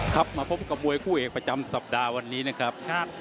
ครับมาพบกับมวยคู่เอกประจำสัปดาห์วันนี้นะครับ